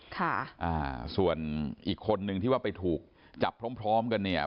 ค่ะอ่าส่วนอีกคนนึงที่ว่าไปถูกจับพร้อมพร้อมกันเนี่ย